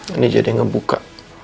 ini jadi ngebuka